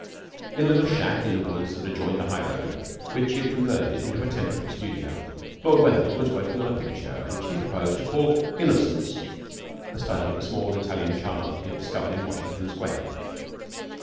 In a little shack in the woods that adjoined the high road, which he had converted into a temporary studio, Lord Wetherby was working on a picture which he proposed to call 'Innocence', a study of a small Italian child he had discovered in Washington Square.